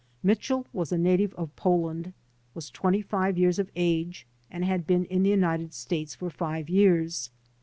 Mitchell "was a native of Poland, was twenty five years of age and had been in the United States five years.